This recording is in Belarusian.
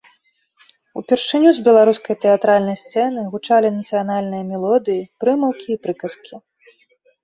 Упершыню з беларускай тэатральнай сцэны гучалі нацыянальныя мелодыі, прымаўкі і прыказкі.